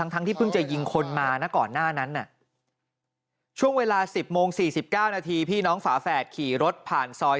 ก่อนหน้านั้นช่วงเวลา๑๐โมง๔๙นาทีพี่น้องฝาแฝดขี่รถผ่านซอย